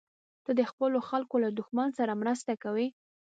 ته د خپلو خلکو له دښمن سره مرسته کوې.